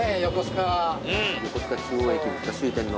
横須賀中央駅ですか終点の。